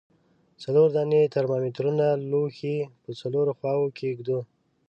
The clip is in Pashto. څلور دانې ترمامترونه لوښي په څلورو خواو کې ږدو.